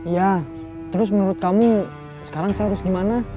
ya terus menurut kamu sekarang saya harus gimana